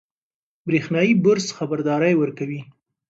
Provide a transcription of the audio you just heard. برېښنایي برس خبرداری ورکوي.